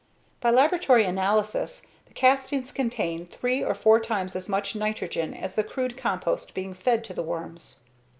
By laboratory analysis, the castings contain three or four times as much nitrogen as the crude compost being fed to the worms.